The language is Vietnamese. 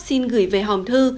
xin gửi về hòm thư